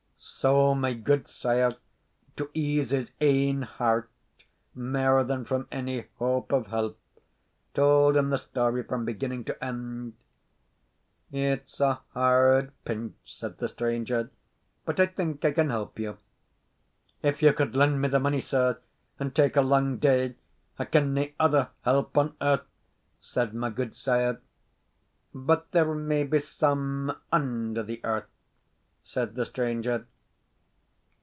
So my gudesire, to ease his ain heart, mair than from any hope of help, told him the story from beginning to end. "It's a hard pinch," said the stranger; "but I think I can help you." "If you could lend me the money, sir, and take a lang day I ken nae other help on earth," said my gudesire. "But there may be some under the earth," said the stranger.